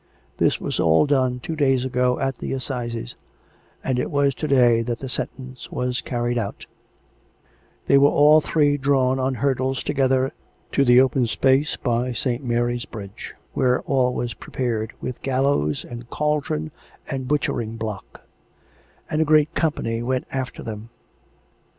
This was all done two days ago at the Assizes ; and it was to day that the sentence was carried out, " They were all three drawn on hurdles together to the open space by St. Mary's Bridge, where all was prepared, with gallows and cauldron and butchering block; and a great company went after them.